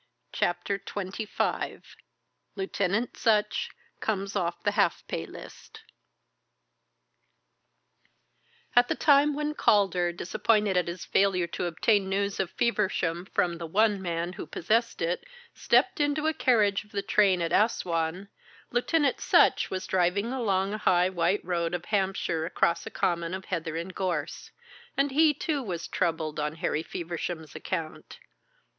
CHAPTER XXV LIEUTENANT SUTCH COMES OFF THE HALF PAY LIST At the time when Calder, disappointed at his failure to obtain news of Feversham from the one man who possessed it, stepped into a carriage of the train at Assouan, Lieutenant Sutch was driving along a high white road of Hampshire across a common of heather and gorse; and he too was troubled on Harry Feversham's account.